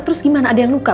terus gimana ada yang luka